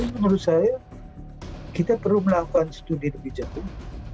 menurut saya kita perlu melakukan studi lebih jauh